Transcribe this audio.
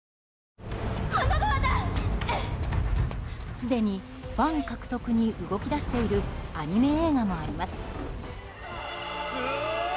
すでにファン獲得に動き出しているアニメ映画もあります。